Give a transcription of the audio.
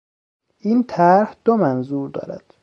این طرح دو منظور دارد.